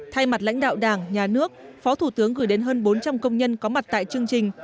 thay mặt lãnh đạo đảng nhà nước phó thủ tướng gửi đến hơn bốn trăm linh công nhân có mặt tại chương trình